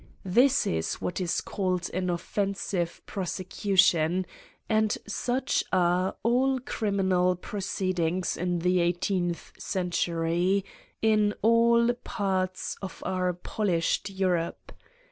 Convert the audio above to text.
This is what is called an offensive prosecution ; and such are all criminal proceed ings in the eighteenth century, in all parts of our polished Europe.